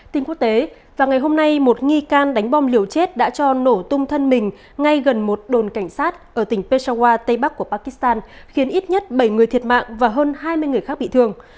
tin quốc tế và ngày hôm nay một nghi can đánh bom liều chết đã cho nổ tung thân mình ngay gần một đồn cảnh sát ở tỉnh pesawa tây bắc của pakistan khiến ít nhất bảy người thiệt mạng và hơn hai mươi người khác bị thương